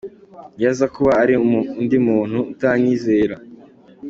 Iyo aza kuba ari undi muntu utanyizera.